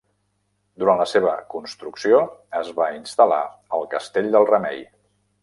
Durant la seva construcció es va instal·lar al Castell del Remei.